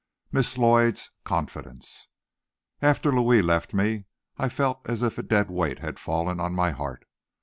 MISS LLOYD'S CONFIDENCE After Louis left me, I felt as if a dead weight had fallen on my heart.